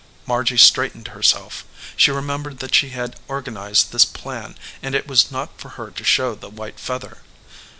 Margy straightened herself. She remembered that she had organized this plan, and it was not for her to show the white feather.